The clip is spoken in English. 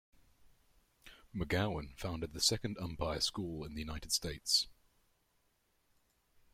McGowan founded the second umpire school in the United States.